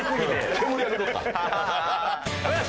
煙上げとった。